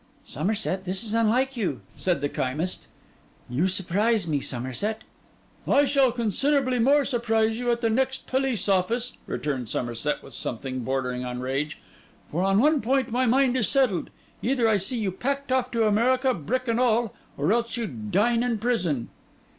'Somerset, this is unlike you!' said the chymist. 'You surprise me, Somerset.' 'I shall considerably more surprise you at the next police office,' returned Somerset, with something bordering on rage. 'For on one point my mind is settled: either I see you packed off to America, brick and all, or else you dine in prison.